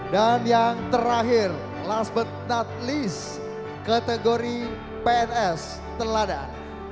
dan yang terakhir last but not least kategori pns teladan